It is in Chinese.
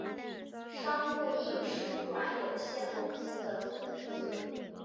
商务印书馆有限公司的子公司。